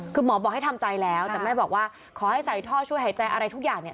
คือหมอบอกให้ทำใจแล้วแต่แม่บอกว่าขอให้ใส่ท่อช่วยหายใจอะไรทุกอย่างเนี่ย